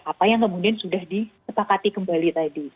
apa yang kemudian sudah disepakati kembali tadi